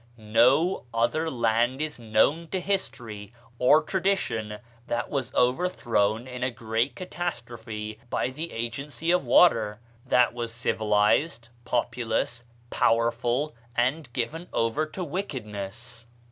No other land is known to history or tradition that was overthrown in a great catastrophe by the agency of water; that was civilized, populous, powerful, and given over to wickedness.